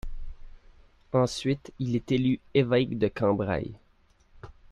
Ensuite il est élu évêque de Cambrai.